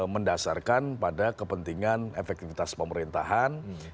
mendasarkan pada kepentingan efektivitas pemerintahan